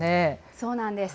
そうなんです。